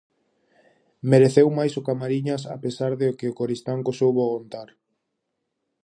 Mereceu máis o Camariñas a pesar de que o Coristanco soubo aguantar.